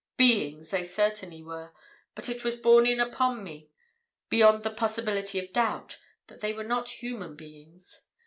Beings, they certainly were, but it was borne in upon me beyond the possibility of doubt, that they were not human beings.